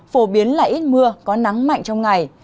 phổ biến là ít mưa có nắng mạnh trong ngày